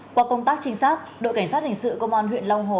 qua công tác chính xác đội cảnh sát hình sự công an huyện long hồ